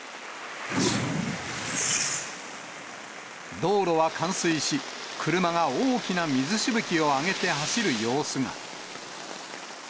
道路は冠水し、車が大きな水しぶきを上げて走る様子が。